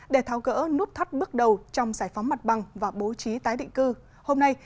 để tháo gỡ nút thắt bước đầu trong giải phóng mặt bằng và bố trí tái định cư hôm nay